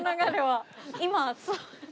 今。